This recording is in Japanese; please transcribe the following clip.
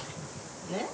ねっ。